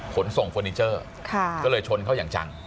ขนส่งเฟอร์นิเจอร์ก็เลยชนเขาอย่างจัง